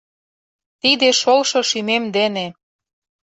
Тиде шолшо шӱмем дене